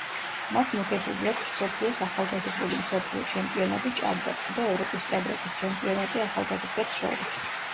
მას მოგებული აქვს მსოფლიოს ახალგაზრდული მსოფლიო ჩემპიონატი ჭადრაკში, და ევროპის ჭადრაკის ჩემპიონატი ახალგაზრდებს შორის.